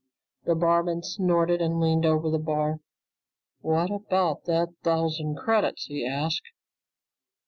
The barman snorted and leaned over the bar. "What about that thousand credits?" he asked.